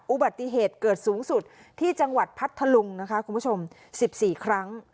อุบัติเหตุเกิดสูงสุดที่จังหวัดพัทธลุงนะคะคุณผู้ชม๑๔ครั้ง